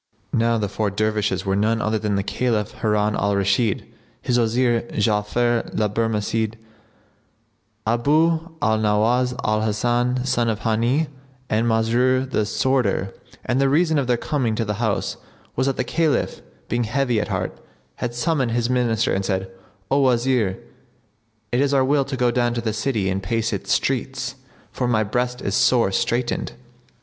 Now these four Dervishes were none other than the Caliph Harun al Rashid, his Wazir Ja'afar the Barmecide, Abu al Nowбs al Hasan son of Hбni[FN#72] and Masrur the sworder; and the reason of their coming to the house was that the Caliph, being heavy at heart, had summoned his Minister and said, "O Wazir! it is our will to go down to the city and pace its streets, for my breast is sore straitened."